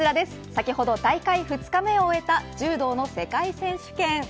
先ほど大会２日目を終えた柔道の世界選手権。